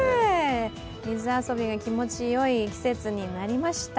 水遊びが気持ちよい季節になりました。